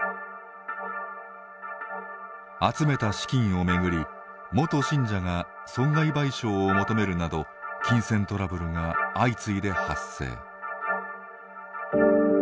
集めた資金を巡り元信者が損害賠償を求めるなど金銭トラブルが相次いで発生。